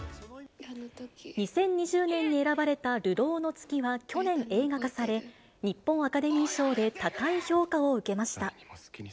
２０２０年に選ばれた流浪の月は去年、映画化され、日本アカデミー賞で高い評価を受けました。